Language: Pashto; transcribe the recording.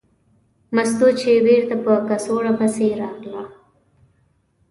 مستو چې بېرته په کڅوړه پسې راغله.